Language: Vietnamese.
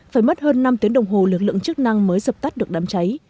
phải mất hơn năm tiếng đồng hồ lực lượng chức năng mới dập tắt được đám cháy